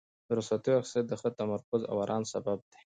د رخصتیو اخیستل د ښه تمرکز او ارام سبب دی.